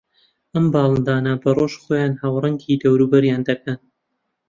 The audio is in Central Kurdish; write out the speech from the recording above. ئەم باڵندانە بە ڕۆژ خۆیان ھاوڕەنگی دەوروبەریان دەکەن